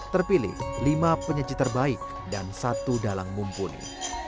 terpilih lima penyaji terbaik dan satu dalang mumpuni